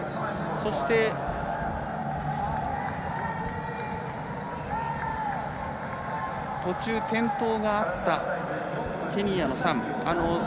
そして、途中転倒があったケニアのサン。